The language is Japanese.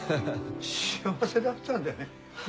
幸せだったんだね。